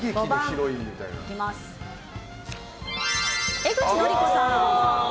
５番、江口のりこさん。